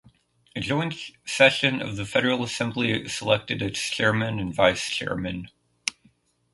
A joint session of the Federal Assembly selected its chairman and vice chairman.